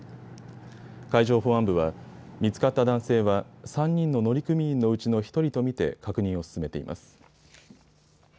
海上保安部は見つかった男性は３人の乗組員のうちの１人と見て確認を進めています。